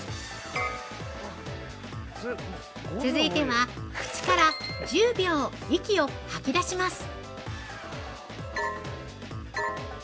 続いて口から、１０秒息を吐き出します！